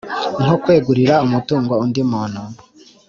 nko kwegurira umutungo undi muntu